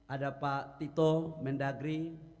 ada pak tito mendagri